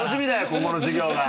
今後の授業が。